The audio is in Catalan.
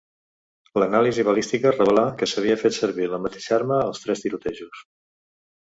L'anàlisi balística revelà que s'havia fet servir la mateixa arma als tres tirotejos.